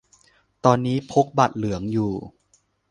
ตอนนี้พกบัตรเหลืองอยู่